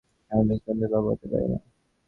আমি এ সন্তানের বাবা হতে পারি না।